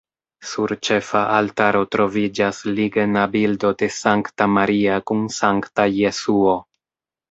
Sur ĉefa altaro troviĝas ligna bildo de Sankta Maria kun sankta Jesuo.